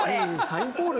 サインポール